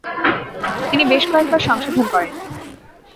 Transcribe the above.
তিনি বেশ কয়েকবার সংশোধন করেন।